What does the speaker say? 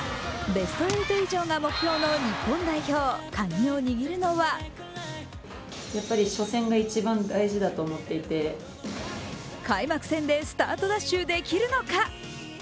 ベスト８以上が目標の日本代表カギを握るのは開幕戦でスタートダッシュできるのか。